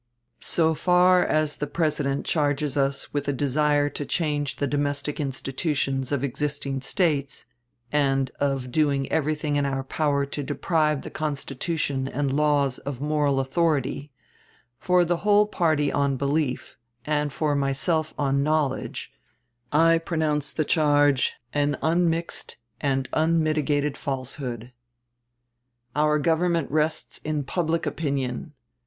] So far as the President charges us "with a desire to change the domestic institutions of existing States," and of "doing everything in our power to deprive the Constitution and the laws of moral authority," for the whole party on belief, and for myself on knowledge, I pronounce the charge an unmixed and unmitigated falsehood. Illinois "State Journal," December 16, 1856. Our government rests in public opinion.